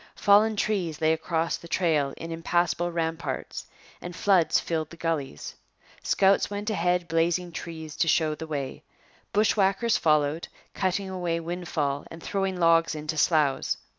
Fallen trees lay across the trail in impassable ramparts and floods filled the gullies. Scouts went ahead blazing trees to show the way. Bushwhackers followed, cutting away windfall and throwing logs into sloughs.